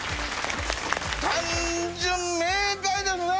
単純明快ですね！